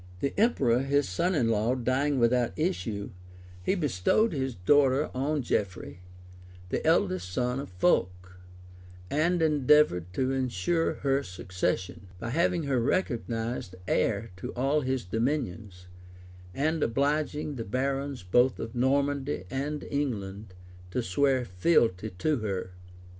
{1127.} The emperor, his son in law, dying without issue, he bestowed his daughter on Geoffrey, the eldest son of Fulk, and endeavored to insure her succession, by having her recognized heir to all his dominions, and obliging the barons both of Normandy and England to swear fealty to her.